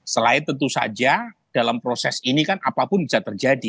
selain tentu saja dalam proses ini kan apapun bisa terjadi